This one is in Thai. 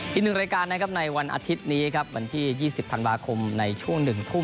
ทีหนึ่งรายการในวันอาทิตย์นี้วันที่๒๐ธันบาคมในช่วง๑ทุ่ม